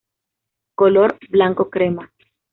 Color: blanco crema.